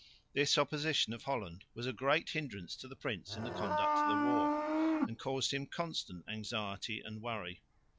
This opposition of Holland was a great hindrance to the prince in the conduct of the war, and caused him constant anxiety and worry.